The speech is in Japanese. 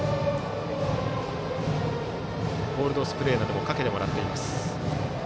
コールドスプレーをかけてもらっています。